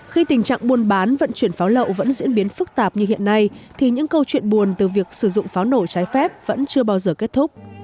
khi tình trạng buôn bán vận chuyển pháo lậu vẫn diễn biến phức tạp như hiện nay thì những câu chuyện buồn từ việc sử dụng pháo nổ trái phép vẫn chưa bao giờ kết thúc